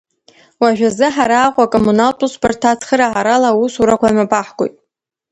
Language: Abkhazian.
Уажәазы, ҳара Аҟәа Акоммуналтә Усбарҭа ацхараарала аусурақәа мҩаԥаҳгоит.